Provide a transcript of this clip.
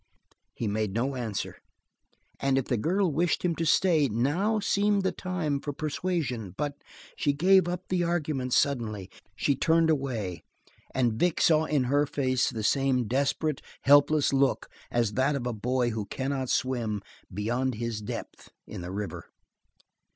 He made no answer, and if the girl wished him to stay now seemed the time for persuasion; but she gave up the argument suddenly. She turned away, and Vic saw in her face the same desperate, helpless look as that of a boy who cannot swim, beyond his depth in the river.